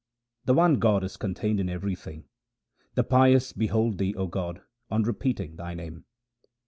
The one God is contained in everything ; the pious behold Thee, O God, on repeating Thy name.